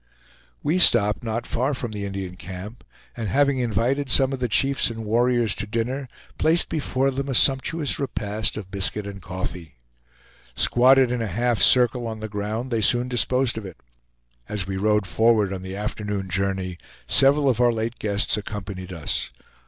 We stopped not far from the Indian camp, and having invited some of the chiefs and warriors to dinner, placed before them a sumptuous repast of biscuit and coffee. Squatted in a half circle on the ground, they soon disposed of it. As we rode forward on the afternoon journey, several of our late guests accompanied us.